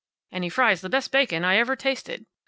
And he fries the best bacon I ever tasted.